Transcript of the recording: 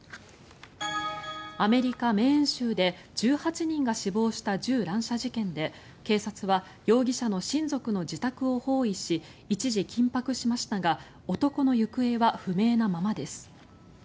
アメリカ・メーン州で１８人が死亡した銃乱射事件で警察は容疑者の親族の自宅を包囲し一時緊迫しましたが男の行方は不明なままです。